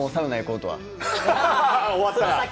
終わったら？